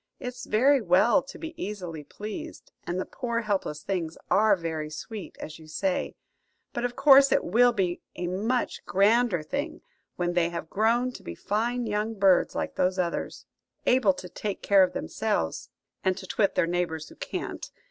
It's very well to be easily pleased, and the poor helpless things are very sweet, as you say; but of course it will be a much grander thing when they have grown to be fine young birds like those others; able to take care of themselves and to twit their neighbours who can't.